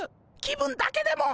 気分だけでも。